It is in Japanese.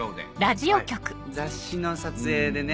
雑誌の撮影でね。